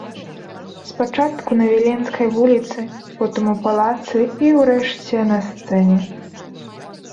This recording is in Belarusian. Спачатку на віленскай вуліцы, потым у палацы і, урэшце, на сцэне.